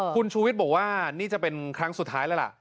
คุณชูวิทย์บอกว่านี่จะเป็นครั้งสุดท้ายแล้วล่ะ